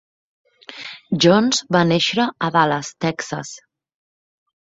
Jones va néixer a Dallas, Texas.